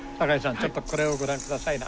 ちょっとこれをご覧くださいな。